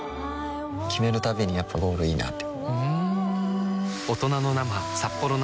決めるたびにやっぱゴールいいなってふん